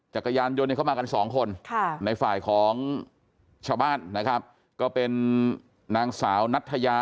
จักรยานยนต์เนี่ยเข้ามากันสองคน